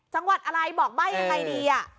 จังหวัดอะไรบอกใบ้ยังไงดี